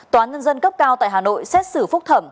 tòa nhân dân cấp cao tại hà nội xét xử phúc thẩm